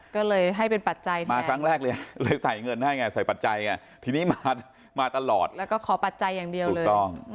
ก็เลยให้เป็นปัจจัยมาครั้งแรกเลยเลยใส่เงินให้ไงใส่ปัจจัยไงทีนี้มาตลอดแล้วก็ขอปัจจัยอย่างเดียวเลยถูกต้อง